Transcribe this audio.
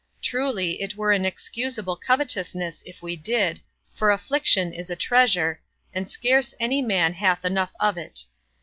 Truly it were an excusable covetousness if we did, for affliction is a treasure, and scarce any man hath enough of it.